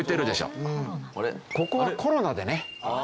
ここはコロナでね